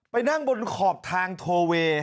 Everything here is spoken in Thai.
ไปนั่งบนขอบทางโทเวย์